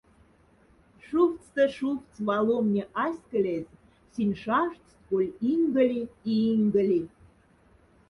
Шуфтста шуфтс валомне аськолязь синь шаштсть коль инголи и инголи.